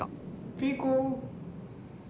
ピーコ。